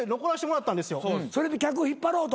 それで客引っ張ろうと？